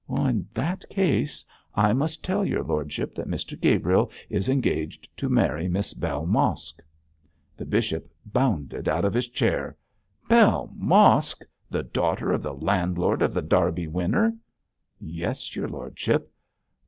'In that case, I must tell your lordship that Mr Gabriel is engaged to marry Miss Bell Mosk!' The bishop bounded out of his chair. 'Bell Mosk! the daughter of the landlord of The Derby Winner?' 'Yes, your lordship.'